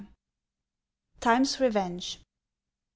TIME'S REVENGE.